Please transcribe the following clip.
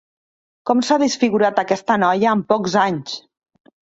Com s'ha desfigurat aquesta noia en pocs anys!